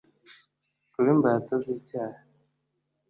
kuba imbata z icyaha